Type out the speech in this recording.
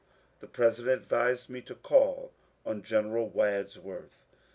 The President advised me to call on General Wadsworth.